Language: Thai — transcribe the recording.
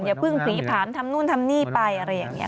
อย่าเพิ่งผลีผลามทำนู่นทำนี่ไปอะไรอย่างนี้